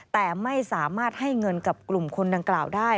แต่ไม่สามารถให้เงินกับกลุ่มคนดังกล่าวได้